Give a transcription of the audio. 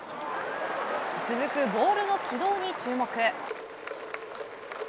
続くボールの軌道に注目。